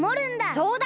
そうだ！